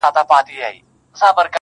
نجلۍ ګلسوم له درد سره مخ,